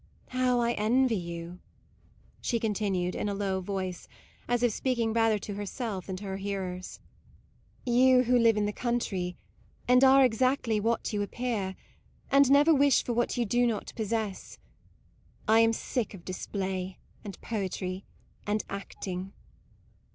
How I envy you "; she continued in a low voice, as if speaking rather to herself than to her hearers: "you who live in the country, and are exactly what you appear, and never wish for what you do not possess. I am sick of display and poetry and acting."